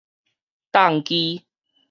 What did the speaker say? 棟機